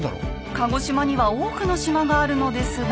鹿児島には多くの島があるのですが。